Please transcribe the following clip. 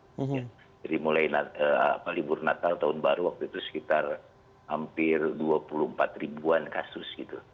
mulai libur natal tahun baru waktu itu sekitar hampir dua puluh empat ribuan kasus gitu